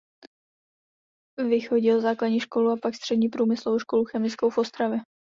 Vychodil základní školu a pak střední průmyslovou školu chemickou v Ostravě.